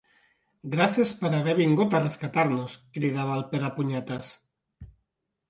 Gràcies per haver vingut a rescatar-nos! —cridava el Perepunyetes.